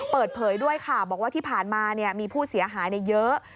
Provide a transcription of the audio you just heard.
เปิดเผยด้วยค่ะบอกว่าที่ผ่านมามีผู้เสียหายเยอะ